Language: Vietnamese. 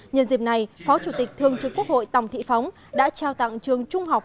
nhân dịp này phó chủ tịch thương trực quốc hội tòng thị phóng đã trao tặng trường trung học